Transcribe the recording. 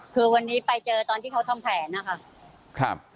คือวันนี้ไปเจอตอนที่เขาทำแผนนะคะ